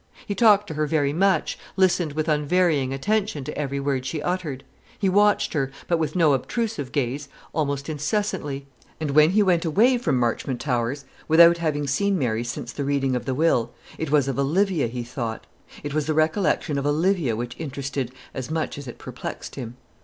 He talked to her very much, listening with unvarying attention to every word she uttered. He watched her but with no obtrusive gaze almost incessantly; and when he went away from Marchmont Towers, without having seen Mary since the reading of the will, it was of Olivia he thought; it was the recollection of Olivia which interested as much as it perplexed him.